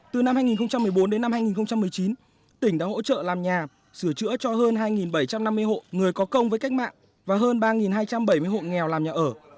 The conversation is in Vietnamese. từ năm hai nghìn một mươi bốn đến năm hai nghìn một mươi chín tỉnh đã hỗ trợ làm nhà sửa chữa cho hơn hai bảy trăm năm mươi hộ người có công với cách mạng và hơn ba hai trăm bảy mươi hộ nghèo làm nhà ở